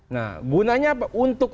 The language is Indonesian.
nah gunanya apa untuk